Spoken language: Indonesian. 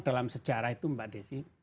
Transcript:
dalam sejarah itu mbak desi